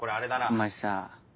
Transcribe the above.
お前さぁ。